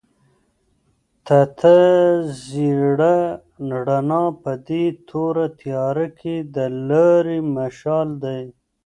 تته زېړه رڼا په دې توره تیاره کې د لارې مشال دی.